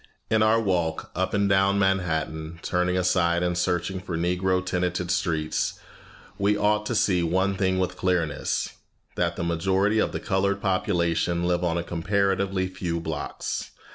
In our walk up and down Manhattan, turning aside and searching for Negro tenanted streets, we ought to see one thing with clearness that the majority of the colored population live on a comparatively few blocks.